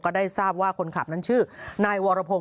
ได้ทราบว่าคนขับนั้นชื่อนายวรพงศ